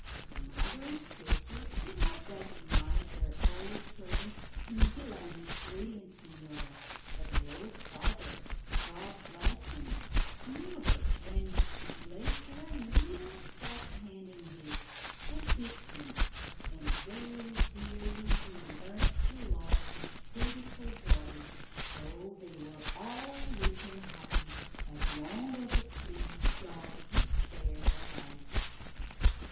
The mother and sister did not recognize their old servant in Guilerme's brilliant señora, but the old father (God bless him) knew her, when she placed her little soft hand in his, and kissed him; and very dearly he learned to love his dutiful daughter. So they were all rich and happy, as long as it pleased God to spare their lives.